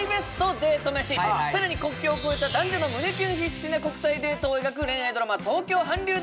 デート飯さらに国境をこえた男女の胸キュン必至な国際デートを描く恋愛ドラマ東京韓流